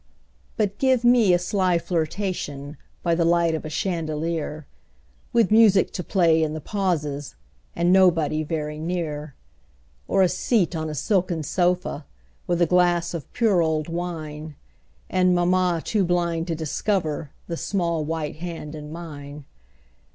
But give me a sly flirtation By the light of a chandelier With music to play in the pauses, And nobody very near; Or a seat on a silken sofa, With a glass of pure old wine, And mamma too blind to discover The small white hand in mine.